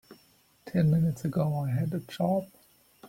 Ten minutes ago I had a job.